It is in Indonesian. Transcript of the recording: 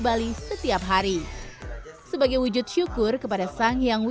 bali setiap hari sebagai wujud syukur kepada sang yang